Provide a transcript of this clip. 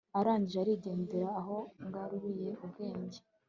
arangije arigendera aho ngaruriye ubwenge